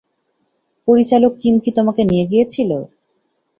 পরিচালক কিম কি তোমাকে নিয়ে গিয়েছিল?